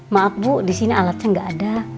maaf bu disini alatnya gak ada